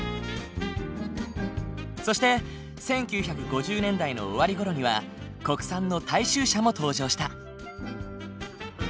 そして１９５０年代の終わりごろには国産の大衆車も登場した。